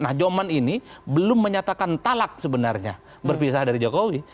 nah joman ini belum menyatakan talak sebenarnya berpisah dari jokowi